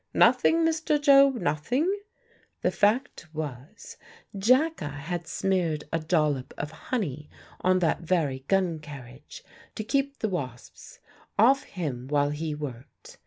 "Nothing, Mr. Job, nothing." The fact was, Jacka had smeared a dollop of honey on that very gun carriage to keep the wasps off him while he worked.